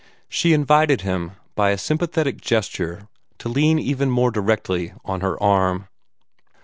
She invited him by a sympathetic gesture to lean even more directly on her arm.